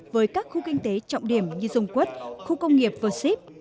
với các khu kinh tế trọng điểm như dung quốc khu công nghiệp vosip